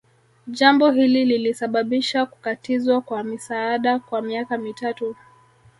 Jambo hili lilisababisha kukatizwa kwa misaada kwa miaka mitatu